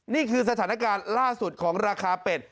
นี่คือสถานการณ์ล่าสุดของราคาเป็ด